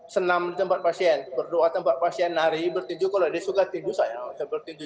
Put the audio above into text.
senam di tempat pasien berdoa tempat pasien hari bertuju kalau dia suka tidur saya seperti itu